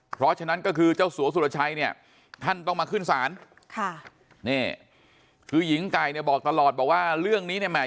เพราะฉะนั้นก็คือเจ้าสัวสุรชัยเนี่ยท่านต้องมาขึ้นศาลค่ะนี่คือหญิงไก่เนี่ยบอกตลอดบอกว่าเรื่องนี้เนี่ยแห่